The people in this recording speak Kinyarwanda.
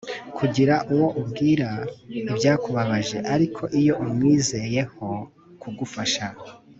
kugira uwo ubwira ibyakubabaje ariko iyo umwizeyeho kugufasha